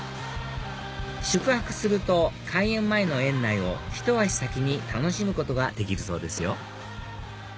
宿泊すると開園前の園内をひと足先に楽しむことができるそうですよ